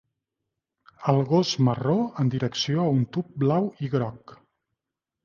El gos marró en direcció a un tub blau i groc.